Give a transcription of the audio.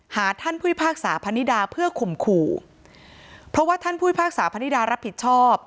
ท่านผู้พิพากษาพนิดาเพื่อข่มขู่เพราะว่าท่านผู้พิพากษาพนิดารับผิดชอบ